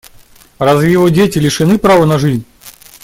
Разве его дети лишены права на жизнь?